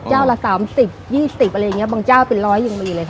เจ้าละสามสิบยี่สิบอะไรอย่างเงี้ยบางเจ้าเป็นร้อยยังมีเลยค่ะ